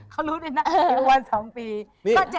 เขารู้ด้วยนะ